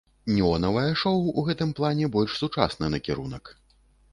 Неонавае шоў у гэтым плане больш сучасны накірунак.